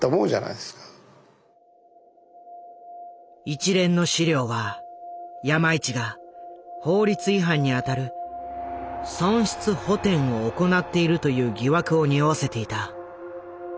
一連の資料は山一が法律違反にあたる「損失補てん」を行っているという疑惑をにおわせていた。